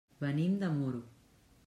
Venim de Muro.